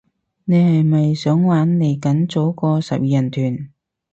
你係咪想玩，嚟緊組個十二人團